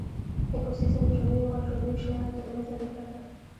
ایکوسیستم د ژوندیو او غیر ژوندیو شیانو ترمنځ اړیکه ده